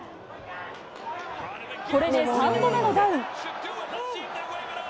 これで３度目のダウン。